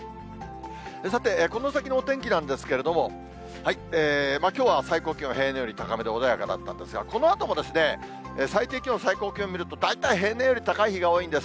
さて、この先のお天気なんですけれども、きょうは最高気温、平年より高めで穏やかだったんですが、このあとも、最低気温、最高気温見ると、大体、平年より高い日が多いんです。